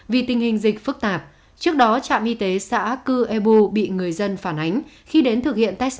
vì tình hình dịch phức tạp trước đó trạm y tế xã cư ebu bị người dân phản ánh khi đến thực hiện test